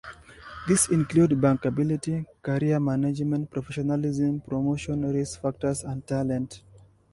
These include bankability, career management, professionalism, promotion, risk factors and talent.